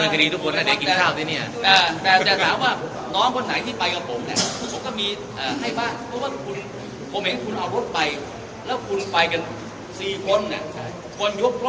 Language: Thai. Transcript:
คนทึ้งไมค์มันก็สงสาร